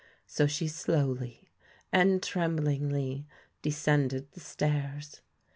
So she slowly and tremblingly de BEARD scended the stairs.